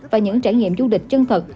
và những trải nghiệm du lịch chân thật